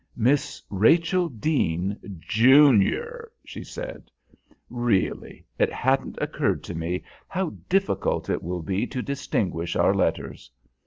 "Miss Rachel Deane, junior," she said. "Really, it hadn't occurred to me how difficult it will be to distinguish our letters.